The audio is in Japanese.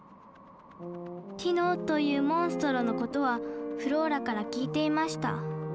「ティノ」というモンストロのことはフローラから聞いていました